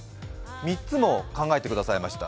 ３つも考えてくださいました。